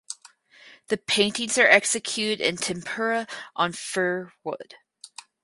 The paintings are executed in tempera on fir wood.